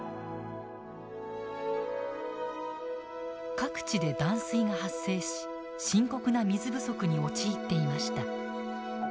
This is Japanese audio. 各地で断水が発生し深刻な水不足に陥っていました。